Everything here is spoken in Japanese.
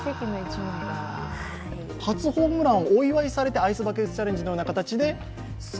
初ホームランをお祝いされて、アイスバケツチャレンジのような形で？